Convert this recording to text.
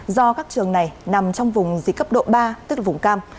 do các trường này nằm trong vùng dịch cấp độ ba tức là vùng cam